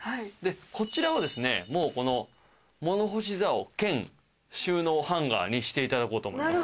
こちらはもうこの物干しざお兼収納ハンガーにしていただこうと思います。